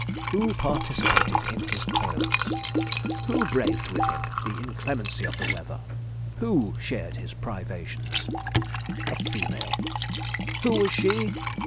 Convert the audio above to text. Who participated in his toils? Who braved with him the inclemency of the weather? Who shared his privations? A female. Who was she?